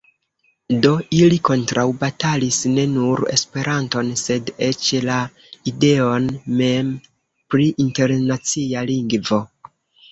Do, ili kontraŭbatalis ne nur Esperanton, sed eĉ la ideon mem pri internacia lingvo.